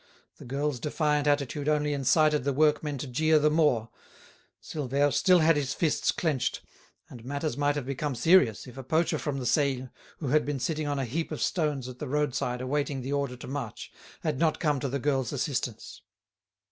The girl's defiant attitude only incited the workmen to jeer the more. Silvère still had his fists clenched, and matters might have become serious if a poacher from the Seille, who had been sitting on a heap of stones at the roadside awaiting the order to march, had not come to the girl's assistance.